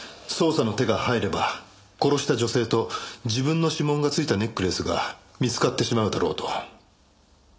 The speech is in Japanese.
捜査の手が入れば殺した女性と自分の指紋が付いたネックレスが見つかってしまうだろうと。